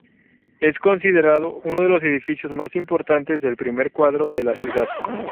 Es considerado uno de los edificios más importantes del primer cuadro de la ciudad.